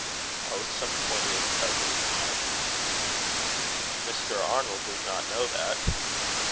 "Oh! some twentieth cousin of mine." "Mr. Arnold does not know that?"